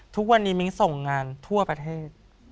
ทุกวันนี้มิ้งส่งงานทั่วประเทศ